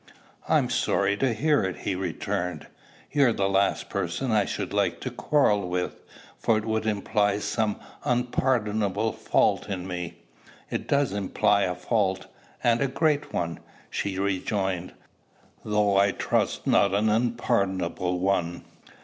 "I'm sorry to hear it," he returned. "You're the last person I should like to quarrel with, for it would imply some unpardonable fault in me." "It does imply a fault and a great one," she rejoined; "though I trust not an unpardonable one.